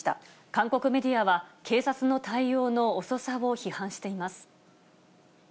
韓国メディアは、警察の対応の遅さを批判しています。